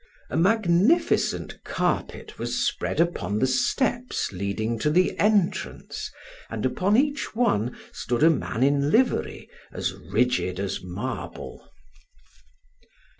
A magnificent carpet was spread upon the steps leading to the entrance, and upon each one stood a man in livery, as rigid as marble.